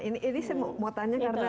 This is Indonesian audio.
nah ini saya mau tanya